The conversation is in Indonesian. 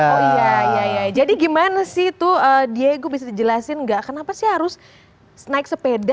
oh iya jadi bagaimana sih diego bisa dijelaskan kenapa harus naik sepeda